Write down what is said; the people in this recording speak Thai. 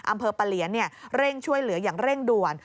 อำเภอปะเหลียนเร่งช่วยเหลืออย่างเร่งด่วน